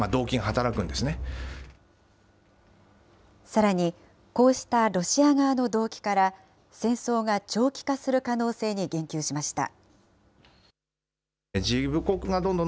さらに、こうしたロシア側の動機から、戦争が長期化する可能性に言及しました。